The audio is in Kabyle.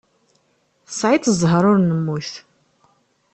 Tesεiḍ ẓẓher ur nemmut.